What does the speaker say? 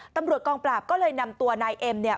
ตำรวจกองปราบก็เลยนำตัวนายเอ็มเนี่ย